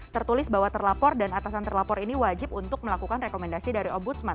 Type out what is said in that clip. tertulis bahwa terlapor dan atasan terlapor ini wajib untuk melakukan rekomendasi dari ombudsman